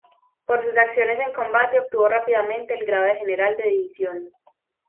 Por sus acciones en combate obtuvo rápidamente el grado de general de división.